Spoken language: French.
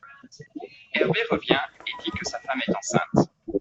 Hervé revient et dit que sa femme est enceinte.